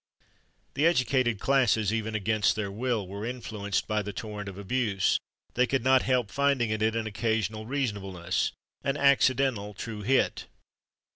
The educated classes, even against their will, were influenced by the torrent of abuse; they could not help finding in it an occasional reasonableness, an accidental true hit.